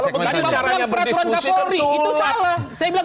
saya bilang itu syarat peraturan kapolri bukan peraturan